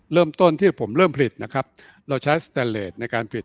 เริ่มต้นที่ผมเริ่มผลิตนะครับเราใช้สแตนเลสในการผลิต